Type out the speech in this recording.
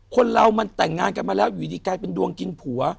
คนเรามันแต่งงานกันมาแล้วอยู่ดีกลายเป็นดวงกินผัว